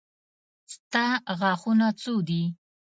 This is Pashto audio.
ستا غاښونه څو دي.